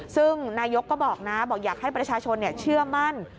ซึ่งนายกก็บอกนะบอกอยากให้ประชาชนเชื่อมั่น